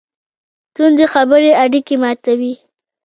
توندې خبرې اړیکې ماتوي.